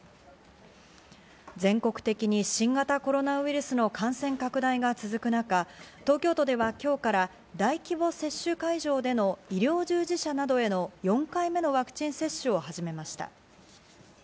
全国的に新型コロナウイルスの感染拡大が続く中、東京都では今日から大規模接種会場での医療従事者などへの４回目のワクチン接種を始めました。